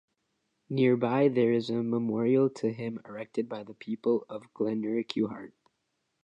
Nearby, there is a memorial to him erected by the people of Glenurquhart.